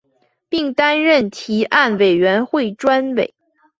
并担任提案委员会专委。